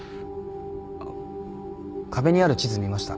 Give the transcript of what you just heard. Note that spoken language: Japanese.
あっ壁にある地図見ました？